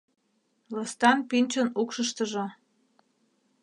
Лыстан пӱнчын укшыштыжо